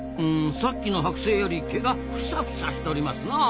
さっきのはく製より毛がフサフサしとりますなあ。